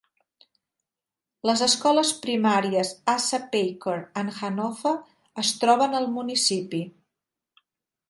Les escoles primaries Asa Packer i Hanover es troben al municipi.